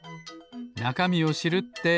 なかみを知るって。